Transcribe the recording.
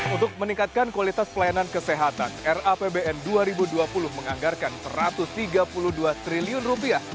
untuk meningkatkan kualitas pelayanan kesehatan rapbn dua ribu dua puluh menganggarkan satu ratus tiga puluh dua triliun rupiah